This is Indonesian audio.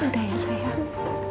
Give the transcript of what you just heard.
udah ya sayang